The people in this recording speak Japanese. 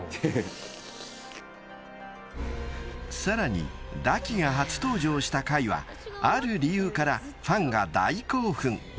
［さらに堕姫が初登場した回はある理由からファンが大興奮］